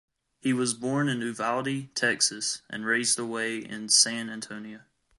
He was born in Uvalde, Texas, and raised away in San Antonio.